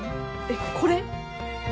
えっこれ？